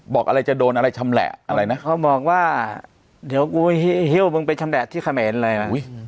บอกอะไรจะโดนอะไรชำแหละอะไรนะเขาบอกว่าเดี๋ยวกูให้เฮียวมึงไปชำแหละที่เขมรอะไรนะ